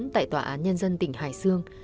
tại tòa án nhân dân tỉnh hải sương